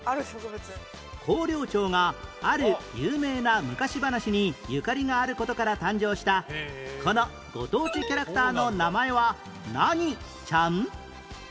広陵町がある有名な昔話にゆかりがある事から誕生したこのご当地キャラクターの名前は何ちゃん？